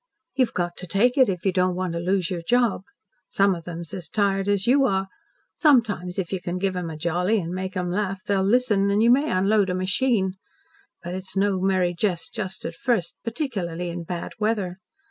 "You've got to take it, if you don't want to lose your job. Some of them's as tired as you are. Sometimes, if you can give 'em a jolly and make 'em laugh, they'll listen, and you may unload a machine. But it's no merry jest just at first particularly in bad weather.